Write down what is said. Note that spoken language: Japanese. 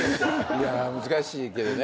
いや難しいけどね。